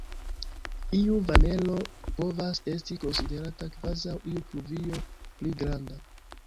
Iu vanelo povas esti konsiderata kvazaŭ iu pluvio pli granda.